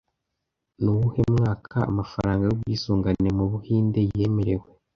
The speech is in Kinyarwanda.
Ni uwuhe mwaka amafaranga y’ubwisungane mu Buhinde yemerewe